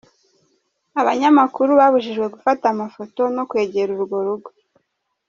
Abanyamakuru babujijwe gufata amafoto, no kwegera urwo rugo.